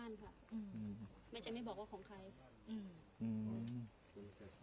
อันนี้เป็นพื้นที่สวดของแม่ไหม